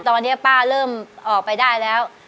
ตอนนี้ป้าเริ่มออกไปได้แล้ว